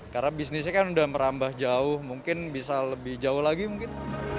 karena bisnisnya kan udah merambah jauh mungkin bisa lebih jauh lagi mungkin